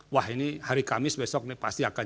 wah ini hari kamis besok nih pasti akan